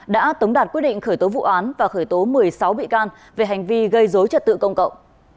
đã tống đạt quyết định khởi tố vụ án và khởi tố một mươi sáu bị can về hành vi gây dối trật tự công cộng